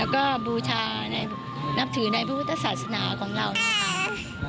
ก็บูชานับถือในพระพุทธศาสนาของเรานะคะ